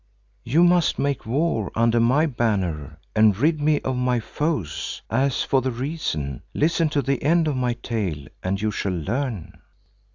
"You must make war under my banner and rid me of my foes. As for the reason, listen to the end of my tale and you shall learn."